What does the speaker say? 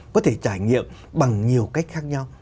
có thể trải nghiệm bằng nhiều cách khác nhau